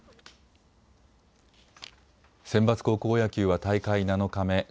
センバツ高校野球は大会７日目。